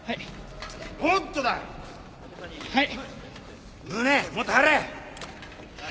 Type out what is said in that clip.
はい！